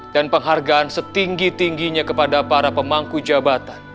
dan penghargaan setinggi tingginya kepada para pemangku jabatan